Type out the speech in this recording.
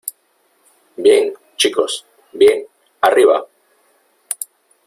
¡ bien , chicos , bien !¡ arriba !